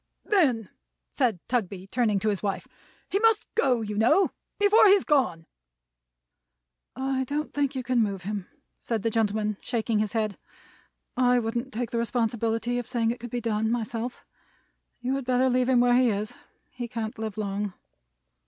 "Then," said Tugby, turning to his wife, "he must Go, you know, before he's Gone." "I don't think you can move him," said the gentleman, shaking his head. "I wouldn't take the responsibility of saying it could be done, myself. You had better leave him where he is. He can't live long."